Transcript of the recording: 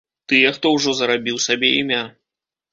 Тыя, хто ўжо зарабіў сабе імя.